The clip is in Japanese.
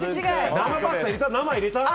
生パスタの生、入れた？